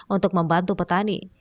untuk membantu petani